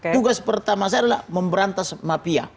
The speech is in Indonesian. tugas pertama saya adalah memberantas mafia